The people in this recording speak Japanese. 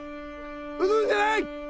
撃つんじゃない！